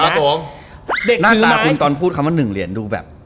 หน้าตาคุณตอนพูดคำว่า๑เหรียญดูแบบ